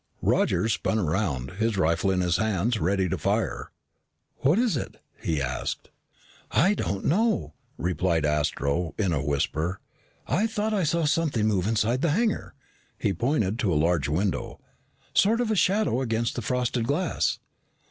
Roger spun around, his rifle in his hands, ready to fire. "What is it?" he asked. "I don't know," replied Astro in a whisper. "I thought I saw something move inside the hangar." He pointed to a large window. "Sort of a shadow against the frosted glass."